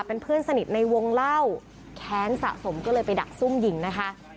เป็นเพื่อนสนิทในวงเล่าแค้นสะสมก็เลยไปดักซุ่มหญิงนะคะ